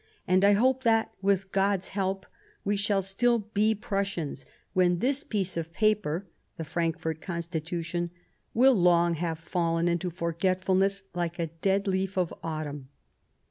... And I hope that, with God's help, we shall still be Prussians when this piece of paper (the Frankfort Constitution) will long have fallen into forgetfulness like a dead leaf of autumn."